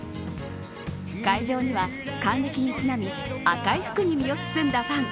会場には還暦にちなみ赤い服に身を包んだファン